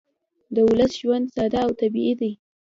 د ولس ژوند ساده او طبیعي دی